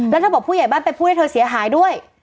แล้วเธอบอกผู้ใหญ่บ้านไปพูดให้เธอเสียหายด้วย